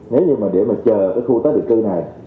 nếu như mà để mà chờ cái khu tái định cư này